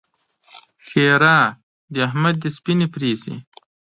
ښېرا: د احمد دې سپينې پرې شي!